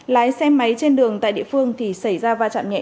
lái xe máy trên đường tại địa phương thì xảy ra va chạm nhẹ